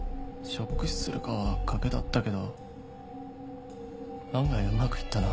ショック死するかは賭けだったけど案外うまくいったな。